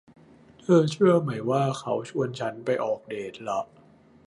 เธอเชื่อไหมว่าเค้าชวนชั้นไปออกเดทล่ะ